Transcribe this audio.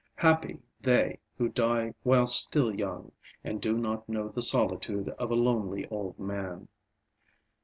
Happy they who die while still young and do not know the solitude of a lonely old man.